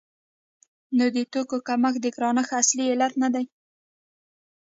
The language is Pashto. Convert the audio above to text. نو د توکو کمښت د ګرانښت اصلي علت نه دی.